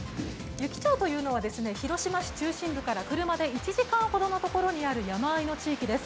湯来町というのは広島市中心部から車で１時間ほどのところにある山あいの地域です。